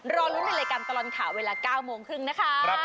รอลุ้นในรายการตลอดข่าวเวลา๙โมงครึ่งนะคะ